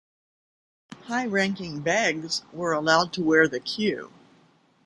High-ranking Begs were allowed to wear the Queue.